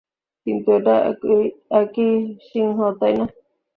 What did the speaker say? কিন্তু এটা একই সিংহ, তাই না?